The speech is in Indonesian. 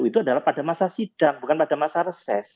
itu adalah pada masa sidang bukan pada masa reses